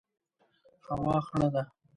هوا خړه ده